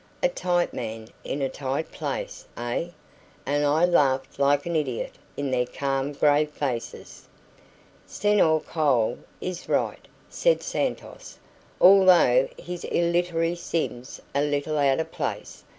A tight man in a tight place, eh?" and I laughed like an idiot in their calm grave faces. "Senhor Cole is right," said Santos, "although his 'ilarity sims a leetle out of place.